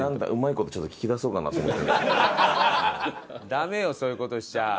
ダメよそういう事しちゃ。